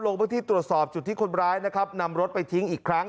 ลงพื้นที่ตรวจสอบจุดที่คนร้ายนะครับนำรถไปทิ้งอีกครั้ง